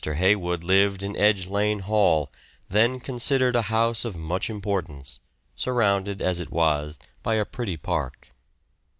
Heywood lived in Edge Lane Hall, then considered a house of much importance, surrounded as it was by a pretty park.